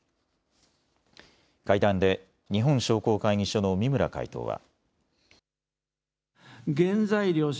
会談で日本商工会議所の三村会頭は。